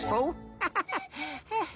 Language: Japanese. ハハハハハ。